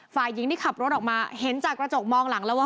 ฝ่ายหญิงที่ขับรถออกมาเห็นจากกระจกมองหลังแล้วว่า